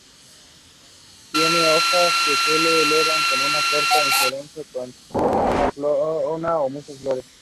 Tiene hojas que se elevan con una corta inflorescencia con una o muchas flores.